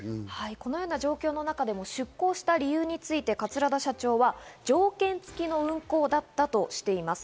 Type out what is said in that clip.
このような状況の中でも出港した理由について桂田社長は条件付きの運航だったとしています。